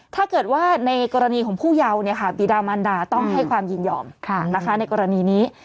ถ้าเกิดว่าในกรณีของผู้เยาบีดามันดาต้องให้ความยินยอมในกรณีนี้